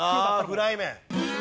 フライ麺。